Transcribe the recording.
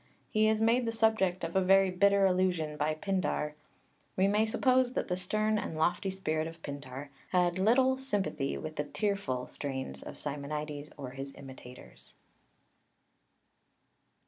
He is made the subject of a very bitter allusion by Pindar (Ol. ii. s. fin. c. Schol.) We may suppose that the stern and lofty spirit of Pindar had little sympathy with the "tearful" (Catullus, xxxviii.) strains of Simonides or his imitators.